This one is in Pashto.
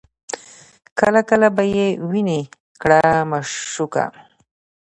کله کله به یې ویني کړه مشوکه